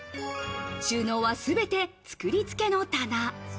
収納はすべて作り付けの棚。